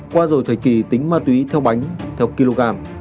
qua rồi thời kỳ tính ma túy theo bánh theo kg